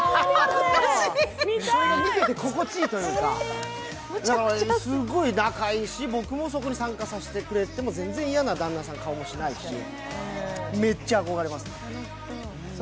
それを見てて心地いいというか、すごい仲いいし、僕もそこに参加しても全然旦那さん嫌な顔もしないし、めっちゃ憧れますね。